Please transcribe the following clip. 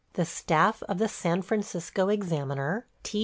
The staff of the San Francisco "Examiner," T.